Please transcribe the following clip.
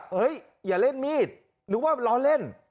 เฮ้ยอย่าเล่นมีดนึกว่าล้อเล่น